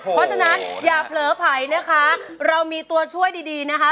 เพราะสังนาฮะยาเผลอไผลนะคะเรามีตัวช่วยดีดีฮะ